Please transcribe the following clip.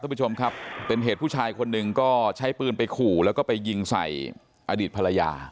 ผู้ชมครับเป็นเหตุผู้ชายคนหนึ่งก็ใช้ปืนไปขู่แล้วก็ไปยิงใส่อดีตภรรยา